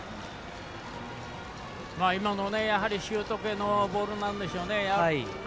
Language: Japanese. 今のシュート系のボールなんでしょうね。